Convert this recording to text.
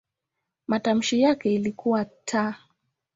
Matamshi yake ilikuwa "t".